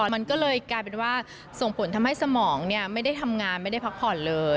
มันก็เลยกลายเป็นว่าส่งผลทำให้สมองไม่ได้ทำงานไม่ได้พักผ่อนเลย